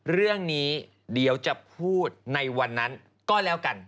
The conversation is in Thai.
เรื่องนี้เดี๋ยวจะพูดในวันนั้นก็แล้วกัน